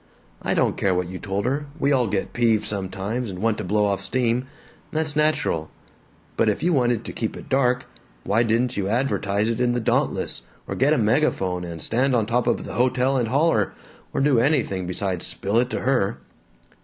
I don't care what you told her we all get peeved sometimes and want to blow off steam, that's natural but if you wanted to keep it dark, why didn't you advertise it in the Dauntless, or get a megaphone and stand on top of the hotel and holler, or do anything besides spill it to her!"